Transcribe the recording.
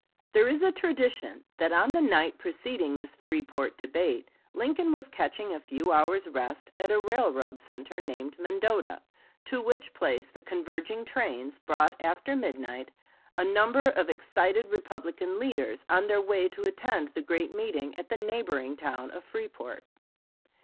There is a tradition that on the night preceding this Freeport debate Lincoln was catching a few hours' rest, at a railroad center named Mendota, to which place the converging trains brought after midnight a number of excited Republican leaders, on their way to attend the great meeting at the neighboring town of Freeport.